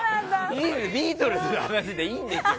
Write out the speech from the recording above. ビートルズの話でいいんですよ。